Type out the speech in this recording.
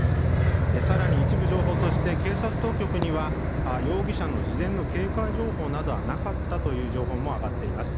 更に一部情報として警察当局には容疑者の事前の警戒情報はなかったという情報も挙がっています。